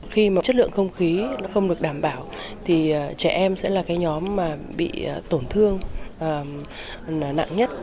khi mà chất lượng không khí nó không được đảm bảo thì trẻ em sẽ là cái nhóm mà bị tổn thương nặng nhất